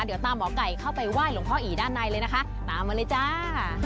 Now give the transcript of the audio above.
เดี๋ยวตามหมอไก่เข้าไปไหว้หลวงพ่ออีด้านในเลยนะคะตามมาเลยจ้า